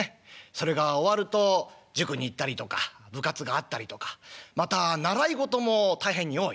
それが終わると塾に行ったりとか部活があったりとかまた習い事も大変に多い。